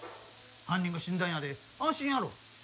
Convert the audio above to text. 犯人が死んだんやで安心やろ。